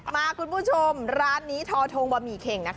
มาคุณผู้ชมร้านนี้ทอทงบะหมี่เข่งนะคะ